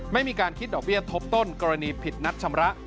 ไม่มีการคิดดอกเบี้ยทบต้นกรณีผิดนัดชำระ